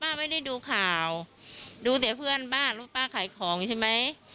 ป้าไม่ได้ดูข่าวดูเสียเพื่อนบ้านว่าป้าขายของใช่ไหม